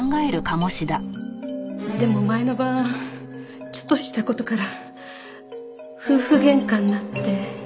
でも前の晩ちょっとした事から夫婦喧嘩になって。